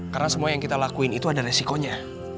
karena semua yang kita lakuin itu ada resikonya